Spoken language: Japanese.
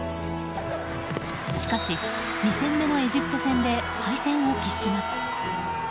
しかし、２戦目のエジプト戦で敗戦を喫します。